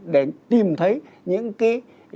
để tìm thấy những cái